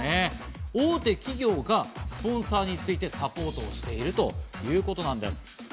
大手企業がスポンサーについてサポートをしているということです。